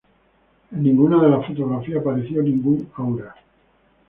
En ninguna de las fotografías apareció ningún aura.